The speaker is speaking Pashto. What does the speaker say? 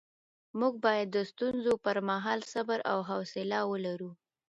موږ باید د ستونزو پر مهال صبر او حوصله ولرو